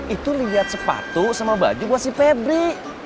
itu liat sepatu sama baju gua si febri